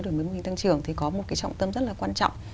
đổi mới mô hình tăng trưởng thì có một cái trọng tâm rất là quan trọng